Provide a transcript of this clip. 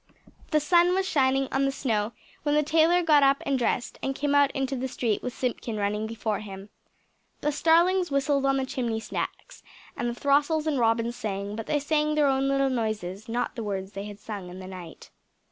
The sun was shining on the snow when the tailor got up and dressed, and came out into the street with Simpkin running before him. The starlings whistled on the chimney stacks, and the throstles and robins sang but they sang their own little noises, not the words they had sung in the night.